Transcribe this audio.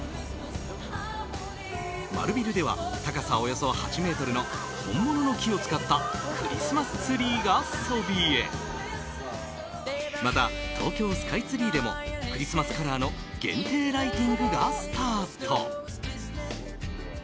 丸ビルでは高さおよそ８ｍの本物の木を使ったクリスマスツリーがそびえまた東京スカイツリーでもクリスマスカラーの限定ライティングがスタート。